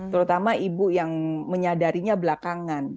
terutama ibu yang menyadarinya belakangan